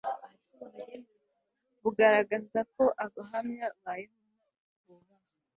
bugaragaza ko abahamya bayehova bubaho